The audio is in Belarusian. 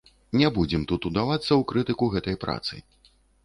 Не будзем тут удавацца ў крытыку гэтай працы.